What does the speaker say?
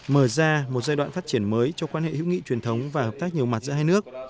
mở ra một giai đoạn phát triển mới cho quan hệ hữu nghị truyền thống và hợp tác nhiều mặt giữa hai nước